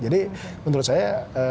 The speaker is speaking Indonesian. jadi menurut saya